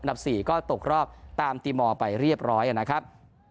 นับสี่ก็ตกรอบตามตีมอลไปเรียบร้อยอ่ะนะครับ